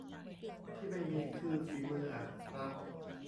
ที่ไม่มีคือฝีมืออะครับ